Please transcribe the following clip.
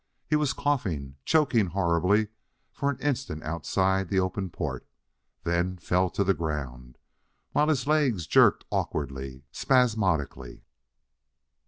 He was coughing choking horribly for an instant outside the open port then fell to the ground, while his legs jerked awkwardly, spasmodically.